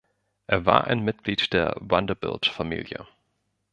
Er war ein Mitglied der Vanderbilt-Familie.